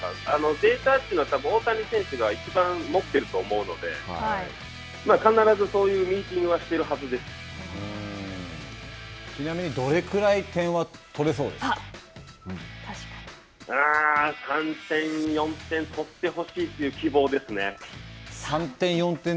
データというのは、たぶん大谷選手がいちばん持っていると思うので必ずそういうミーティングはしてちなみにどれくらい点は取れそ３点、４点取ってほしいという